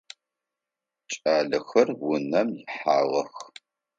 Кӏалэхэр унэм ихьагъэх.